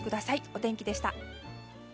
お天気でした。